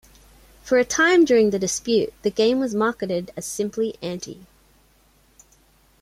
For a time during the dispute, the game was marketed as simply Anti.